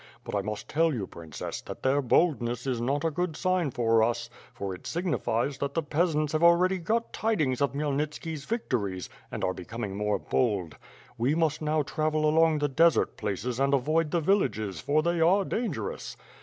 But I must tell you, Princess, that their boldness is not a good sign for us, for it signifies that the peasants have already got tidings of Khmyelnitski's victories and are becoming more bold. We must now travel along the desert places and avoid the villages for they are dangerous.